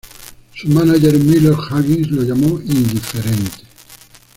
Su mánager Miller Huggins lo llamó "indiferente".